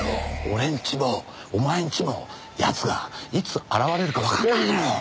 俺んちもお前んちも奴がいつ現れるかわかんないだろ。